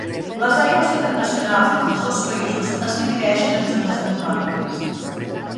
Les aigües internacionals entre els dos països es divideixen en zones econòmiques.